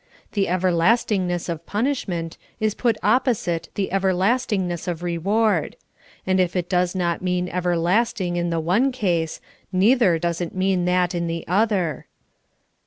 '' The everlasting ness of punishment is put opposite the everlastingness of reward ; and if it does not mean everlasting in the one case, neither does it mean that in the other.